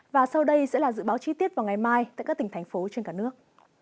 và sau đây sẽ là dự báo chi tiết vào ngày mai tại các tỉnh thành phố trên cả nước